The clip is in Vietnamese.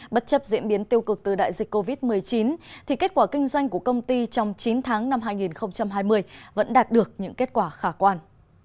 bất chấp diễn biến tiêu cực từ đại dịch covid một mươi chín thì kết quả kinh doanh của công ty trong chín tháng năm hai nghìn hai mươi vẫn đạt được những kết quả khả quan